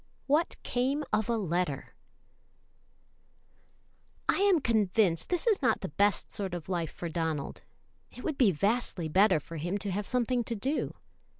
WHAT CAME OF A LETTER. [Illustration: 9109] I am convinced this is not the best sort of life for Donald. It would be vastly better for him to have something to do."